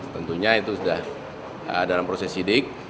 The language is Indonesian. tentunya itu sudah dalam proses sidik